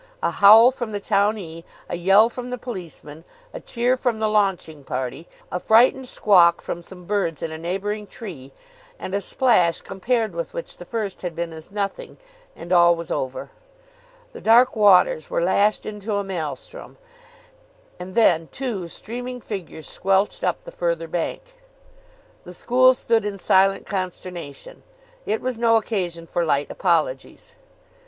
A howl from the townee, a yell from the policeman, a cheer from the launching party, a frightened squawk from some birds in a neighbouring tree, and a splash compared with which the first had been as nothing, and all was over. The dark waters were lashed into a maelstrom; and then two streaming figures squelched up the further bank. [Illustration: THE DARK WATERS WERE LASHED INTO A MAELSTROM] The school stood in silent consternation. It was no occasion for light apologies.